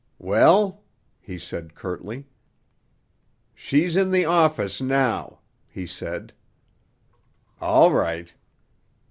"Well?" he said curtly. "She's in the office now," he said. "All right."